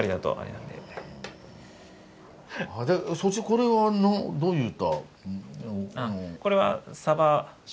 これはどういった？